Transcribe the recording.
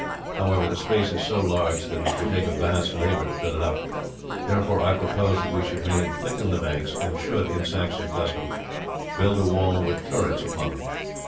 However, the space is so large that it would take a vast labour to fill it up, therefore I propose that we should merely thicken the banks, and should, in Saxon custom, build a wall with turrets upon them.